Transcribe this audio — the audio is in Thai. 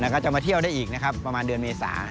ก็จะมาเที่ยวได้อีกประมาณเดือนเมษา